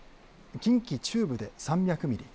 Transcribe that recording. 近畿中部で３００ミリ